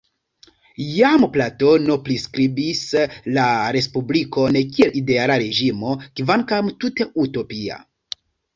Jam Platono priskribis la respublikon kiel ideala reĝimo, kvankam tute utopia.